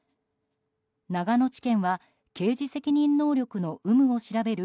長野地検は刑事責任能力の有無を調べる